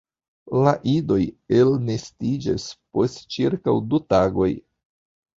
La idoj elnestiĝas post ĉirkaŭ du tagoj.